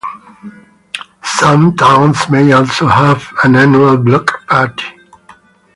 Some towns may also have an annual block party.